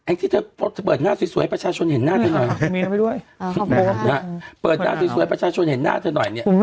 เองที่เธอเปิดหน้าสวยให้ประชาชนเห็นหน้าเท่าไหร่